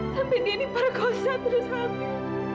sampai dia diperkosa terus habis